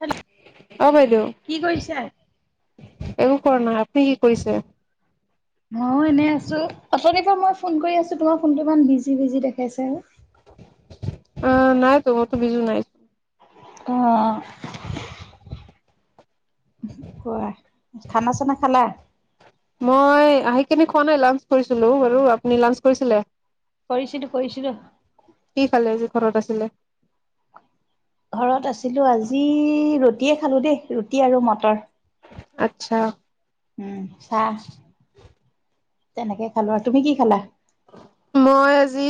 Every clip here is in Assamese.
হেল্ল' অ', বাইদেউ কি কৰিছে? একো কৰা নাই আপুনি কি কৰিছে? মই এনেই আছোঁ, অথনিৰ পৰা মই ফোন কৰি আছোঁ তোমাৰ ফোনটো ইমান বিজি বিজি দেখাইছে। অ', নাই তো মইতো বিজি নাই। অ'। কোৱা খানা চানা খালা? মই আহি কেনি খোৱা নাই লাঞ্চ কৰিছিলো বাৰু আপুনি লাঞ্চ কৰিছিলে? কৰিছিলোঁ, কৰিছিলোঁ। কি খালে যে ঘৰত আছিলে। ঘৰত আছিলোঁ আজি ৰুটিয়ে খালো দেই ৰুটি আৰু মটৰ। আত্ছা। উম, চাহ তেনেকে খালো, আৰু তুমি কি খালা? মই আজি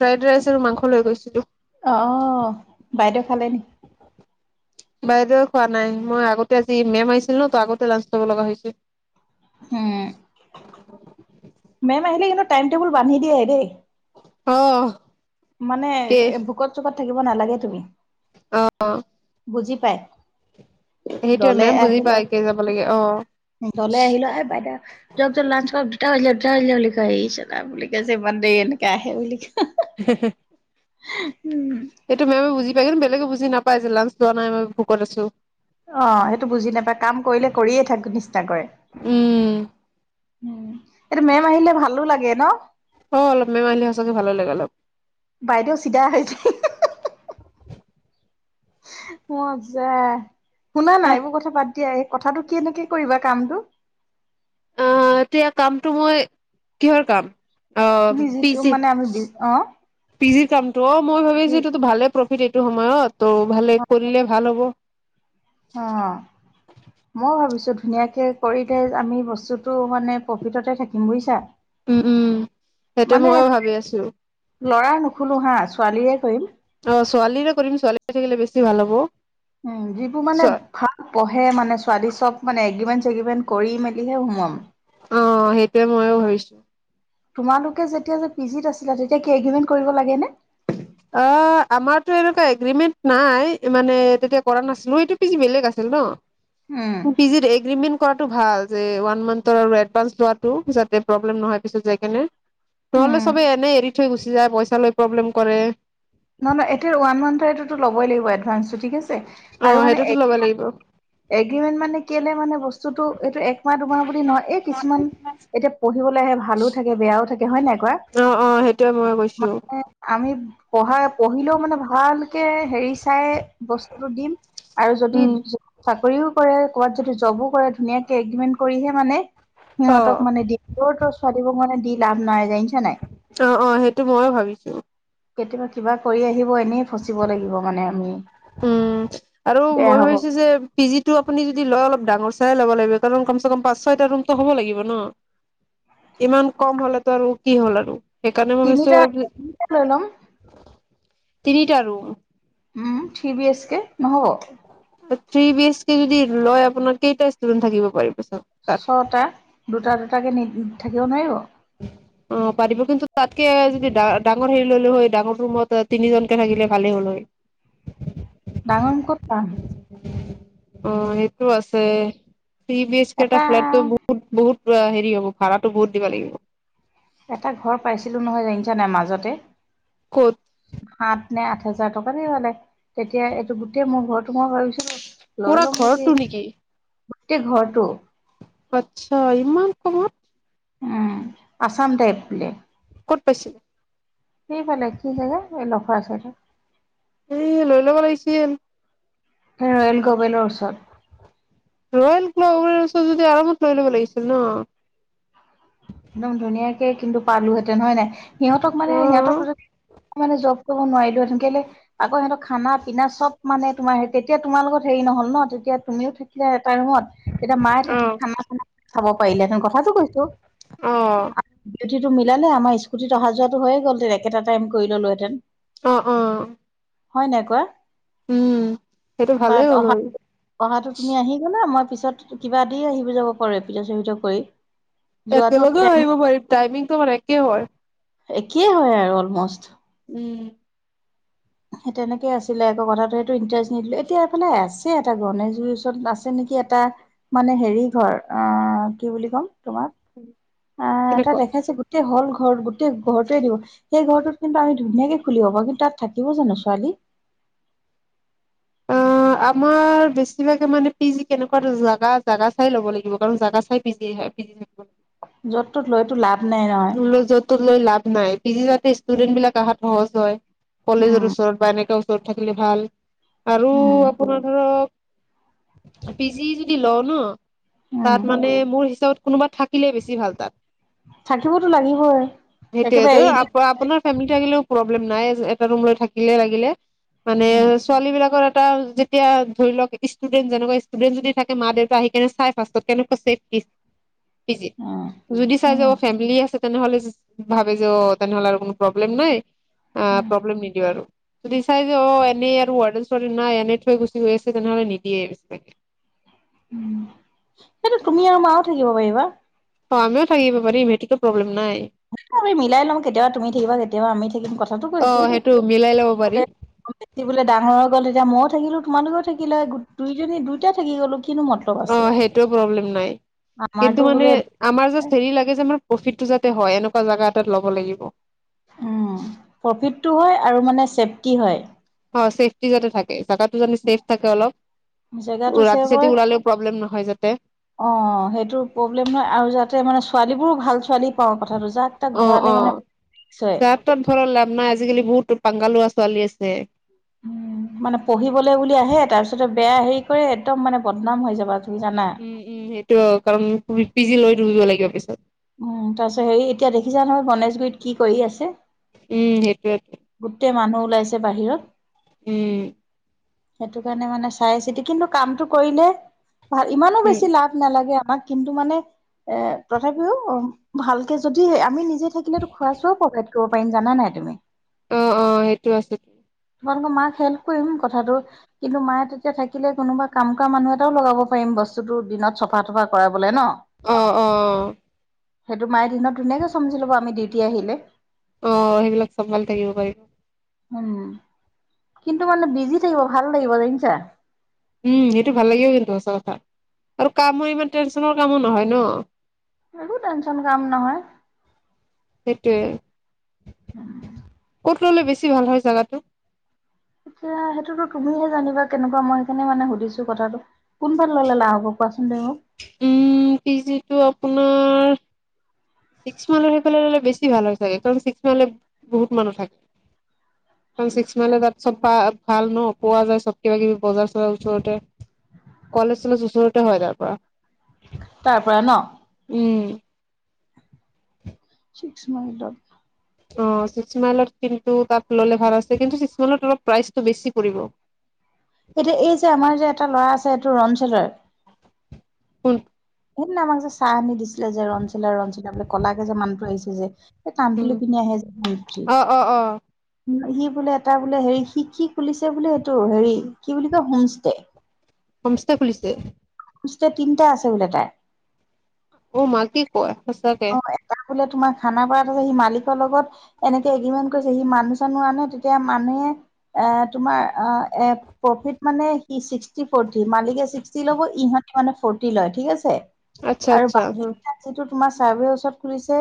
ফ্ৰাইড ৰাইচ আৰু মাংস লৈ গৈছিলোঁ। অ, অ, বাইদেউ খালে নেকি? বাইদেউ, খোৱা নাই। মই, আগতে আজি মেম আহিছিল ন, তো আগতে লাঞ্চ ল'ব লগা হৈছে। হম। মেম আহিলে, কিন্তু টাইমটেবুল বান্ধি দিয়ে দেই। অ। মানে, কি ভোকত-চোকত থাকিব নালাগে তুমি। অ। বুজি পায়। সেইটোৱে দলে মেম বুজি আহিলো, পাই কে যাব লাগে অ দলে আহিলো, এ বাইদেউ যাওক, যাওক, লাঞ্চ কৰক। দুটা বাজিলে, দুটা বাজিলে বুলি কৈ [unintelligible] কৈছে। [unintelligible] [inaudible] উম। এইটো মেমে বুজি পাই, বেলেগে বুজি নাপায় যে, লাঞ্চ লোৱা নাই, ভোকত আছোঁ। অ, সেইটো বুজি নাপায়, কাম কৰিলে কৰিয়েই থাকোঁ নিচিনা কৰে। উম উম, এইটো মেম আহিলে, ভালো লাগে ন? অ, অলপ মেম আহিলে, সঁচাকে ভালে লাগে, অলপ। বাইদেউ, চিধা হৈ মজা শুনা না, এইবোৰ কথা বাদ দিয়া। এই কথাটো কেনেকে কৰিবা, কামটো? অ, এতিয়া কামটো মই কিহৰ কাম? অ, তুমি যিটো পিজি, মানে আমি অ পিজিৰ কামটো অ, মই ভাবিছো, কি এইটোতো ভালে এইটো সময়ত, ত' ভালে কৰিলে, ভালে হ'ব। অ। মইও ভাবিছো, ধুনীয়াকে কৰি, [unintelligible] আমি বস্তুটো মানে, প্ৰফিটতে থাকিম, বুইছা। উম, উম, সেইটো মইও ভাবি আছো। ল'ৰাৰ নোখোলো, হাঁ, ছোৱালীয়ে কৰিম। অ, ছোৱালীৰে কৰিম। ছোৱালী থাকিলে, বেছি ভাল হ'ব। উম, যিবোৰ মানে চোৱা ভাল পহে, মানে, ছোৱালী চব, মানে, এগ্ৰিমেণ্ট-চেগিমেণ্ট কৰি, মেলিহে সোমোৱাম। অ, সেইটোয়েই মইও ভাবিছো। তোমালোকে, যেতিয়া যে পিজিত আছিলা, তেতিয়া কি এগ্ৰিমেণ্ট কৰিব লাগে নে? অ, আমাৰতো এনেকুৱা এগ্ৰিমেণ্ট নাই, মানে, তেতিয়া কৰা নাছিলো। এইটো পিজি বেলেগ আছিল, উম, ন? পিজিৰ এগ্ৰিমেণ্ট কৰাটো ভাল যে, ওৱান মান্থৰ, আৰু এডভান্স লোৱাটো, যাতে প্ৰব্লেম নহয়, পিছত যায় কেনে। নহ'লে, উম, চবে এনে এৰি থৈ গুচি যায়, পইচা লৈ প্ৰব্লেম কৰে। নহয়, নহয় এতিয়া ওৱান মান্থৰ এইটোতো ল'বই লাগিব এডভান্সটো ঠিক আছে, অ আৰু মানে সেইটোতো ল'ব লাগিব। এগ্ৰিমেণ্ট, মানে, কেলে, মানে, বস্তুটো, এইটো একমাহ-দুমাহ বুলি নহয়, এই কিছুমান এতিয়া পঢ়িবলৈ আহে, ভালো থাকে, বেয়াও থাকে, হয়, নাই কোৱা। [unintelligible] মই কৈছো। মানে আমি পঢ়া পঢ়িলেও, মানে, ভালকে হেৰি চাই, বস্তুটো দিম আৰু যদি উম চাকৰিও কৰে, কৰ'বাত যদি জবো কৰে, ধুনীয়াকৈ এগ্ৰীমেণ্ট কৰিহে, মানে অ সিহঁতক, মানে, দিম। জৰ-তৰ ছোৱালীবোৰক, মানে, দি লাভ নাই, জানিছা, নাই। অ, অ, সেইটো ময়ো ভাবিছো। কেতিয়াবা, কিবা কৰি আহিব, এনে ফচিব লাগিব, মানে, আমি। উম, আৰু বেয়া মই হ'ব ভাবিছো যে পিজিটো, আপুনি যদি লয়, অলপ ডাঙৰ চাই ল'ব লাগিব, কাৰণ কমচে কম পাঁচ-ছয়টা ৰুমটো হ'ব লাগিব, ন? ইমান কম হ'লেতো, আৰু কি হ'ল, আৰু সেইকাৰণে, মই ভাবছো, তিনিটা তিনিটা লৈ ল'ম আৰু তিনিটা room um three B H K নহ'ব থি বিএচ কে যদি লয় আপোনাৰ কেইটা ডেন্ট থাকিব পাৰি পিছত ছটা দুটা দুটাকে নি থাকিব নোৱাৰিব অ পাতিিব কিন্তু তাতকে যদিা ডাঙৰ হেৰি ললে হয় ডাঙৰ ৰুমত তিনিজনকে থাকিলে ভালেই হ'ল হয় [unintelligible] ডাঙৰ কতা অ সেইটো আছেিচ কেটা এটা ফ্লাইটো বুত বহুত হেৰি হ'ব ভাড়াতটো বহুত দিব লাগিব এটা ঘৰ পাইছিলোঁ নহয় জানিছা নাই মাজতে ক'ত সাত নে আঠ হোজাৰ টকা দি হালে তেতিয়া এইটো গোটেই মোৰ ঘটো মই ভাবিছিলো পুৰা লৈ ল'ম মক ঘৰটো নেকি গোটেই ঘৰটো আচ্ছা ইমান কময়ত উম আসাম টাইপ প্লেট কত পাইছিল সেই ফালে কি জাগা এই লগখৰ আছেটো এ লৈ ল'ব লাগিছিল ৰয়েল গভেলৰ ওচৰত। ৰয়েল গ্ল'ভাৰৰ ওচৰত যদি আৰামত লৈ ল'ব লাগিছিল নহ? একদম ধুনীয়াকে কিন্তু পালোহেতেন হয় নাই, সিহঁতক মানে অ সিহঁতক মানে জ নোৱাৰিলো হেতেন কেলে আকৌ সিহঁতক খানা পিনা চব মানে তোমাৰ তেতিয়া তোমাৰ লগত হেৰি নহল নহ, তেতিয়া তুমিও এটা ৰুমত, তেতিয়া মায়ে অ থাকি খানা-চানা খাব পাৰিলেঁ হেতেন কথাাটো কৈছো। অ'। ডিউটিতো মিলালে আমাৰ স্কুটিত অহা যোৱাটো হৈয়ে গল, একেটা টাইম কৰি ললো হেতেন। অ', অ'। হয়, নাই কোৱা? উম সেইটো বাট ভালেই হ'ল হয় অহা-অহাটো তুমি আহি নাই, নাই, মই পিছত শিকিবা দিয়া, আহিব [unintelligible] যোৱাটো একেলগেও আহিব পাৰিম, টাইমিংটো আমাৰ একে হয়। একেই হয় আৰু অলমষ্ট। উম। সেই তেনেকে আছিলে আকৌ, কথাটো সেইটো ইণ্টাৰেষ্ট নিদিলে। এতিয়া এইফালে আছে এটা গণেশগুৰিৰ ওচৰত আছে নেকি এটা মানে হেৰি ঘৰ, অহ কি বুলি ক'ম তোমাক উম। আহ এটা দেখাইছে, গোটেই হল ঘৰ গোটেই ঘৰটোৱে দিব সেই ঘৰটোত কিন্তু আমি ধুনীয়াকে খুলি হ'ব, কিন্তু তাত থাকিব জানো ছোৱালী? [inaudible] অ', আমাৰ বেছিভাগে মানে পিজি কেনেকুৱা জাগা, জাগা চাই ল'ব লাগিব কাৰণ জজগা চাই পিজি আহ [unintelligible] য'ত ত'ত লৈতো লাভ নাই নহয়। ত' লৈ লাভ নাই, পি জি যাতে ষ্টুডেন্ট বিলাক আহাত সহজ হয়, উম কলেজৰ ওচৰত বা এনেকে ওচৰত থাকিলে ভাল, আৰু উম, আপোনাৰ ধৰক পিজি যদি লওঁ নহ, উম, তাত মানে মোৰ হিচাপত কোনোবা থাকে থাকিলে বেছি ভাল তাত। থাকিবতো লাগিবই। একেবাৰে সেইটোয়েতো এৰি দিলে আপ-আপোনাৰ ফেমিলিতো থাকিলেও প্ৰব্লেম নাই, এটা ৰুম লৈ থাকিলে লাগিলে। মানে, উম, ছোৱালী বিলাকৰ এটা এতিয়া ধৰি লওক ষ্টুডেণ্ট, যেনেকা ষ্টুডেণ্ট যদি থাকে মা দেউতা আহি কেনে চাই ফাষ্টত কেনেকা ছেফটি [inaudible] পিজি উম, যদি চাই উম, যাব আছে তেনেহলে ভাবে যে, অ' তেনেহলে আৰু কোনো প্ৰব্লেম নাই। আ, উম, প্ৰব্লেম নিদিও আৰু। যদি চাই যে, অ', এনে আৰু [unintelligible] নাই, এনে থৈ গুচি গৈ আছে তেনেহ'লে নিদিয়ে। উম, সেইটো তুমি আৰু মাঁও থাকিব পাৰিবা। অ', আমিও থাকিব পাৰিম, সেতোতো প্ৰব্লেম নাই। আমি মিলাই লম কেতিয়াবা তুমি থাকিবা, কেতিয়াবা আমি থাকিম, কথাটো অ কৈছো সেইটো মিলাই ল'ব পাৰি বোলে [unintelligible] ডাঙৰ হৈ গ'ল তেতিয়া মইয়ো থাকিলো, তোমালোকেও থাকিলা। দুইজনী, দুইটাই থাকি গ'লো কিনো ম অ', সেইটো প্ৰব্লেম নাই, আমাৰতো কিন্তু বোলে মানে আমাৰ যাষ্ট হেৰি লাগে যে, মানে প্ৰফিটটো যাতে হয় এনকা জাগা এটাত ল'ব লাগিব। উম, প্ৰফিটটো হয় আৰু মানে চেফটি হয়। অ', চেফ টি যাতে থাকে, জাগাতো যানো চেফ থাকে অলপ। জেগাটো চেভ হয় ৰাতি-চাতি ওলালেও প্ৰব্লেম নহয় যাতে। অ', সেইটো প্ৰব্লেম নহয়, আৰু যাতে মানে ছোৱালী বোৰ ভাল ছোৱালী পাওঁ, কথাটো যাক তাক ভৰালে মানে [unintelligible] ভৰাই লাভ নাই, আজিকালি বহুত পাঙ্গা লোৱা ছোৱালী আছে। উম। মানে পঢ়িবলৈ বুলি আহে, তাৰ পিছতে বেয়া হেৰি কৰে একদম মানে বদনাম হৈ যাব তুমি জানা? উম, উম, সেইটো আৰু কাৰণ পি জি লৈ থাকিব লাগিব পিছত। উম, তাৰ পিছত হেৰি এতিয়া দেখিছা নহয় গণেশগুৰিত কি কৰি আছে। উম, সেইটোৱে। গোটেই মানুহ ওলাইছে বাহিৰত। উম। সেইটো কাৰণে মানে চাই চিতি কিন্তু কামটো কৰিলে ভাল ইমানো উম বেছি লাভ নালাগে আমাক কিন্তু মানে এ তথাপিও ভালকে যদি আমি থাকিলো খোৱা চোৱাও প্ৰভাইড কৰিব পাৰিম জানা নাই তুমি। অ', অ', সেইটো আছে। তোমালোকৰ মাক হেল্প কৰিম কথাটো কিন্তু মায়ে তেতিয়া থাকিলে কোনোবা কাম কৰা মানুহ এটাও লগাব পাৰিম বস্তুতটো দিনত চফা তফা কৰাবলে ন। অ', অ'। সেইটো মায়ে দিনত ধুনাকে চম্জি লব আমি ডিউটি আহিলে। অ', সেইবিলাক চম্ভালি থাকিব পাৰিব। উম, কিন্তু মানে বিজি থাকিব ভাল লাগিব বুজিছা। উম, সেইটো ভাল লাগেও কিন্তু সঁচা কথা আৰু কামৰ ইমান টেনচনৰ কামো নহয় ন। একো টেনশচন কাম নহয়। সেইটোৱে। উম। ক'ত ললে বেছি ভাল হয় জাগাটো? এতিয়া সেইটোতো তুমিহে জানিবা কেনেকুৱা মই সেইখিনে মানে সুধিছো কথাটো। কোন ফালে ললে লাভ হ'ব কোৱাচোন তুমি মোক? উম, পিজিটো আপোনাৰ ছিক্স মাইলৰ সেই ফালে বেছি ভাল হয় চাগে কাৰণ ছিক্স মাইলত বহুত মানুহ থাকে। চিক্স মাইলত তাত চব ভাল ন পোৱা যায় চব কিবা কিবি বজাৰ চজাৰ ওচৰতে। কলেজ চলেজ ওচৰতে হয় তাৰ পৰা। তাৰপৰা ন? উম। ছিক্স মাইলত। অ', চিক্সমাইলত কিন্তু তাত ল'লে ভাল আছে কিন্তু চিক্স মাইলত অলপ প্ৰাইচটো বেছি পৰিব। এতিয়া এই যে আমাৰ যে এটা ল'ৰা আছে এইটো ৰণচেলৰ [inaudible] সেই দিনা আমাক যে চাহ আনি দিছিলে যে ৰনচিলা ৰনচিতা বোলে কলাকে যে মানহটো আহিছে যে হে কাণফুলি উম পিন্ধি আহে যে [unintelligible] অ', অ', অ'। সি বোলে এটা বোলে হেৰি শিক্ষি খুলিছে বোলে এইটো হেৰি কি বুলি কয় হোমষ্টে। হোমষ্টে খুলিছে। হোমষ্টে তিনিটা আছে বোলে তাৰ। অ', মা কি কোৱা সঁচাকে? অ এটা বোলে তোমাৰ খানাপাৰাত আছে, সি মালিকৰ লগত এনেকে এগৰিমেণ্ট কৰিছে সি মানুহ চানো আনে তেতিয়া মানুহে এ তোমাৰ আহ এ প্ৰফিট মানে ছিক্সটি ফৰটি মালিকে ছিক্সটি ল'ব ইহঁতে মানে ফৰৰ্টি লয় ঠিক আছে। আচ্ছা আৰু আচ্ছা বাকী উম যিটো তোমাৰ চাৰ্ভে ওচৰত খুলিছে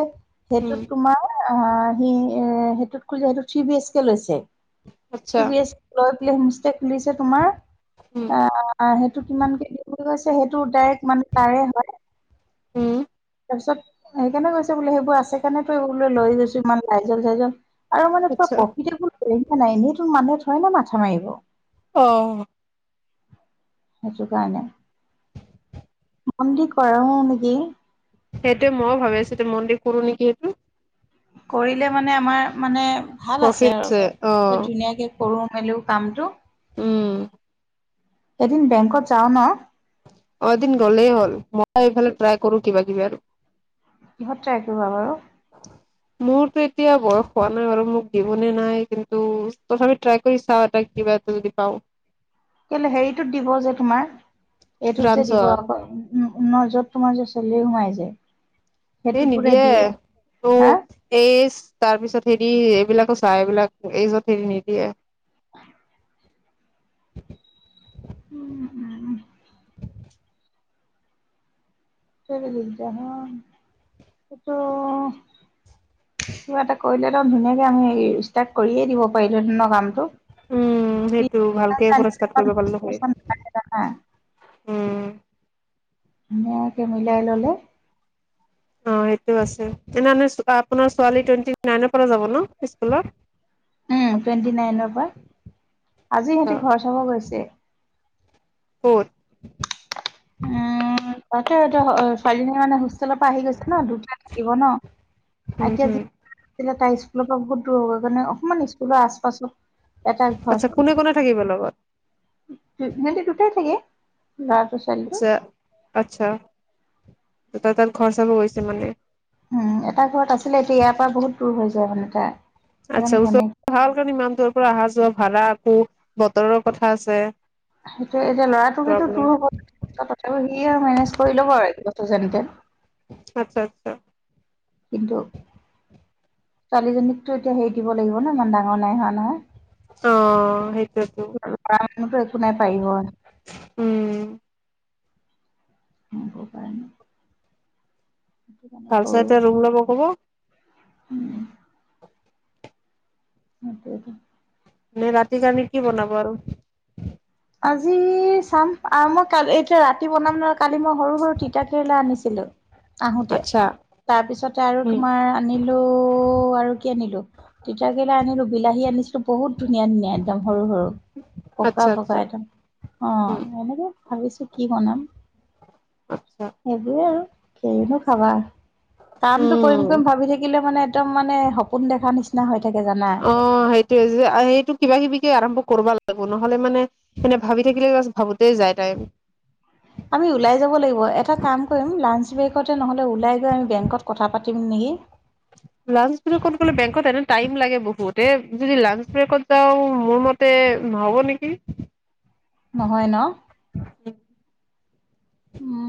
উম সেইটোত তোমাৰ অ', সি এ সেইটোত খুলিছে সেইটোত থ্ৰী বি এইচ কে লৈছে আচ্ছা থ্ৰী বিএচ কে লৈ পেলাই হোম ষ্টে খুলিছে তোমাৰ উম আহ অ', সেইটো কিমান কে দিম বুলি কৈছে সেইটো ডাইৰেক্ মানে তাৰে হয় উম তাৰপিছত হে কাৰণে কৈছে বোলে সেইবোৰ আছে। সেই টোৱে লৈ গৈছো ইমান লাইজল চাইজল আৰু মানে আচ্ছা প্ৰফিটেবুল দেখিচা নে নাইএনেইতো মানুহে থৰি না মাথা মাৰিব। অ' সেইটো কাৰণে। মন দি কৰাৱে নেকি। সেইটো ময়ো ভাবিছিলোঁ মন দি কৰো নেকি সেইটো। কৰিলে মানে আমাৰ মানে ভাল প্ৰফিট আছে অ আৰু ধুনীয়াকে। কৰো মেলিও কামটো উম। এদিন বেংকত যাওঁ ন। এদিন গলেই হ'ল মই এইফালে ট্ৰাই কৰো কিবা কিবি আৰু কিহত ট্ৰাই কৰিবা বাৰু। [unintelligible] মোৰতো এতিয়া বয়স হোৱা নাই বাৰু। মোক দিবনে নাই কিন্তু তথাপি ট্ৰাই কৰি চাওঁ এটা কিবা। তেওঁ যদি পাওঁ। কেলৈ হেৰিটোত দিব যে তোমাৰ এইটোত যে দিব ফ্ৰান্সত আকৌ। উম, ন য'ত তোমাৰ যে চেলাৰী সোমাই যে। এই সেইটোত বোলে নিদিয়ে দিয়ে তো। হা এইজ তাৰ পিছত হেৰি এইবিলাকো চাই এইবিলাক এইজত হেৰি নিদিয়ে। উম, উম। হেইটো দিগদাৰ হ'ল, হেটো কিবা এটা কৰিলে একদম ধুনীয়াকে আমি ষ্টাৰ্ট কৰিয়ে দিব পাৰিলো হেতেন কামটো। উম, সেইটো ভালকে পোৱা ষ্টাৰ্ট কৰিব পাৰিলো হয়। কাইলৈ নাহা। উম ধুনীয়াকে মিলাই ল'লে। অ' সেইটো আছে তেনেহ'লে আপোনাৰ ছোৱালী টুৱেণ্টি নাইনৰ পৰা যাব ন স্কুলত। উম, টুৱেণ্টি নাইনৰ পৰা আজি ইহঁতি আচ্ছা ঘৰ চাব গৈছে। ক'ত উম, তাকে এতিয়া ছোৱালীজনীৰ মানে হোষ্টেলৰ পৰা আহি গৈছে ন দুটা থাকিব ন। হম, এতিয়া হুম। যি আছিলে তাই স্কুলৰ পৰা বহুত দূৰ হ'ব। কাৰণে অকণমান স্কুলৰ আচ পাছত। এটা আচ্ছা, কোনে কোনে থাকিব লগত। সিহঁতে দুটাই থাকে ল'ৰাটো ছো আচ্ছা, আচ্ছা। তাত তাত ঘৰ চাব গৈছে মানে। উম, এটা ঘৰত আছিলে এতিয়া ইয়াৰ পৰা বহুত দূৰ হৈ যায়। মানে তাৰ সেইকাৰণে আচ্ছা, ঘৈণীয়েক ওচৰত। ভাল কাৰণে ইমান দূৰৰ পৰা অহা যোৱা ভাড়া আকৌ বতৰৰ কথা আছে। সেইটো এতিয়া ল'ৰাটোৰ কিন্তু প্ৰব্লেম দূৰ হ'ব। তথাপিও সি আৰু মেনেজ কৰি ল'ব আৰু একবছৰ যেনতেন। আচ্ছা, আচ্ছা। কিন্তু ছোৱালীজনীকতো এতিয়া হেৰি দিব লাগিব ন ইমান ডাঙৰ নাই হোৱা নহয়। অ' সেইটোৱে টো ল'ৰা মানুহতো একো নাই পাৰিব। উম নিব পায় নে। ভাল চাই এটা ৰুম ল'ব ক'ব। উম। তাকে টো। এনে ৰাতিৰ কাৰনে কি বনাব আৰু। আজি চাম আৰু মই কাল এতিয়া ৰাতি বনাম ন কালি মই সৰু সৰু তিতা কেৰেলা আনিছিলোঁ। আহোতে, আচ্ছা তাৰপিছতে আৰু উম তোমাৰ আনিলো আৰু কি আনিলো। তিতাকেৰেলা আনিলোঁ, বিলাহী আনিছিলোঁ, বহুত ধুনীয়া ধুনীয়া একদম সৰু সৰু পকা, আচ্ছা পকা, আচ্ছা একদম অ' উম এনেকে ভাবিছো কি বনাম। আচ্ছা সেইবোৰে আৰু কিনো খাবা। কামটো কৰিম উম কৰিম ভাবি থাকিলে মানে একদম মানে সপোন দেখা নিচিনা হৈ থাকে জানা। অ, সেইটোয়ে যে সেইটো কিবা, কিবিকে আৰম্ভ কৰিব লাগিব নহলে মানে মানে ভাবি থাকিলে বাছ ভাবোতে যায় টাইম। আমি ওলাই যাব লাগিব এটা কাম কৰিম লাঞ্চ ব্ৰেকতে নহ'লে ওলাই গৈ আমি বেংকত কথা পাতিম নেকি। লাঞ্চ ব্ৰেকত গ'লে বেংকত এনে টাইম লাগে বহুত এ যদি লাঞ্চ ব্ৰেকত যাও মোৰ মতে তে হ'ব নেকি। নহয় ন। উম,